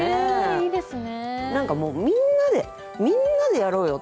いいですね。